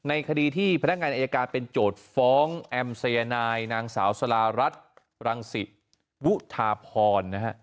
คดีที่พนักงานอายการเป็นโจทย์ฟ้องแอมสัยนายนางสาวสลารัฐรังศิวุธาพรนะฮะ